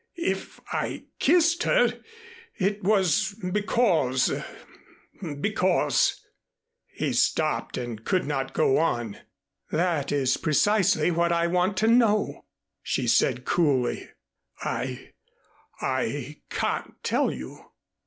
If I kissed her it was because because " He stopped and could not go on. "That is precisely what I want to know," she said coolly. "I I can't tell you."